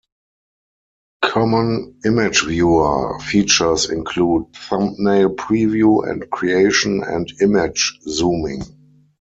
Common image viewer features include thumbnail preview and creation, and image zooming.